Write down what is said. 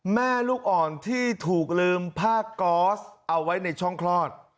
แม่ลูกอ่อนที่ถูกลืมผ้าก๊อสเอาไว้ในช่องคลอด